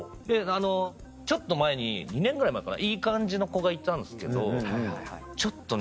ちょっと前に２年ぐらい前かないい感じの子がいたんですけどちょっとね